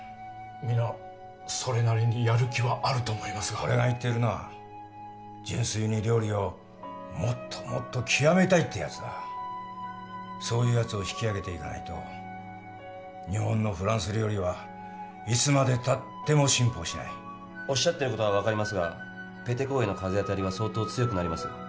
皆それなりにやる気はあると思いますが俺が言ってるのは純粋に料理をもっともっと極めたいってやつだそういうやつを引き上げていかないと日本のフランス料理はいつまでたっても進歩しないおっしゃってることは分かりますがペテ公への風当たりは相当強くなりますよ